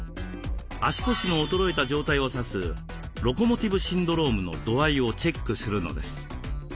足腰の衰えた状態を指すロコモティブシンドロームの度合いをチェックするのです。